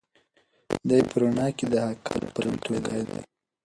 دی په رڼا کې د حقیقت پلټونکی دی.